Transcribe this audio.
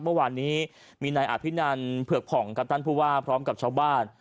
เมื่อวานนี้มีนายอภินันเผือกผ่องครับท่านผู้ว่าพร้อมกับชาวบ้าน